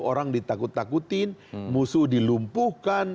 orang ditakut takutin musuh dilumpuhkan